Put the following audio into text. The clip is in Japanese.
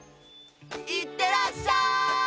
いってらっしゃい！